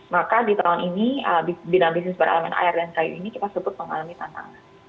maka di tahun ini bidang bisnis berelemen air dan kayu ini kita sebut mengalami tantangan